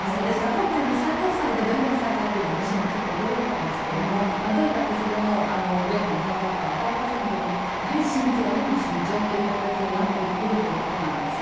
今回の最高裁で弁論再開というのは驚いたんですがどういう形での弁論の再開か分かりませんがやはり慎重にも慎重という形になってくるということなんです。